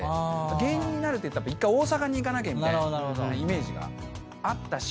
芸人になるっていったら１回大阪に行かなきゃみたいなイメージがあったし